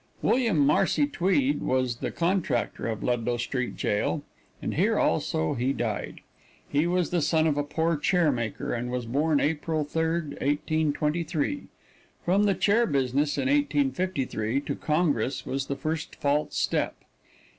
William Marcy Tweed was the contractor of Ludlow Street Jail, and here also he died. He was the son of a poor chair maker, and was born April 3, 1823. From the chair business in 1853 to congress was the first false step.